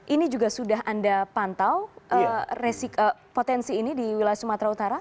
ini juga sudah anda pantau potensi ini di wilayah sumatera utara